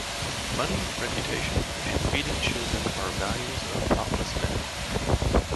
Money, reputation and feeding children are values of thoughtless men.